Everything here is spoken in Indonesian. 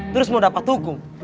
terus mau dapat hukum